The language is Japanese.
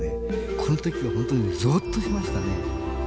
このときは本当にぞっとしましたね。